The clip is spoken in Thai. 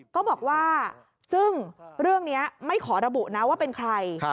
ก็บอกว่าซึ่งเรื่องนี้ไม่ขอระบุนะว่าเป็นใคร